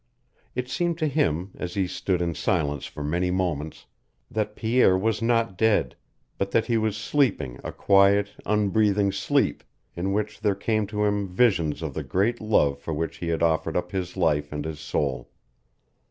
It seemed to him, as he stood in silence for many moments, that Pierre was not dead, but that he was sleeping a quiet, unbreathing sleep, in which there came to him visions of the great love for which he had offered up his life and his soul.